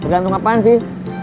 tergantung apaan sih